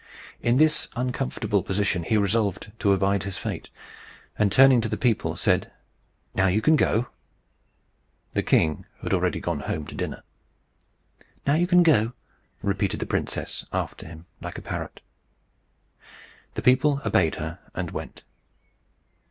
In this uncomfortable position he resolved to abide his fate, and turning to the people, said, "Now you can go." The king had already gone home to dinner. "Now you can go," repeated the princess after him, like a parrot. The people obeyed her and went.